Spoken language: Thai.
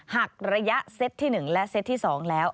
หักระยะเซตที่๑และเซตที่๒แล้ว